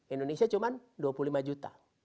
indonesia cuma dua puluh lima juta